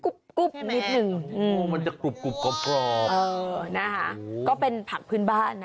นิดนึงมันจะกรุบกรอบเออนะคะก็เป็นผักพื้นบ้านนะ